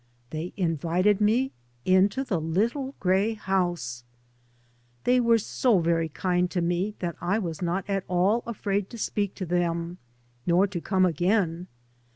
They invited me into the little grey house ! They were so very kind to me that I was not at all afraid to speak to them, nor to come again.